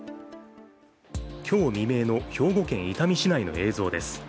今日未明の兵庫県伊丹市内の映像です。